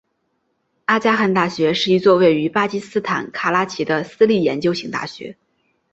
阿迦汗大学是一座位于巴基斯坦卡拉奇的私立研究型大学。